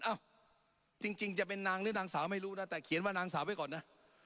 จริงจะเป็นนางหรือนางสาวไม่รู้นะแต่เขียนว่านางสาวไว้ก่อนนะ